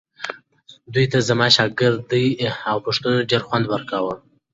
دوی ته زما شاګردۍ او پوښتنو ډېر خوند ورکاوو.